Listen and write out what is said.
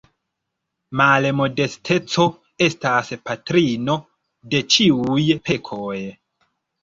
Malmodesteco estas patrino de ĉiuj pekoj.